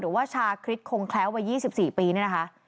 ว่าชาคริสคงแคล้ววัย๒๔ปีเนี่ยนะคะ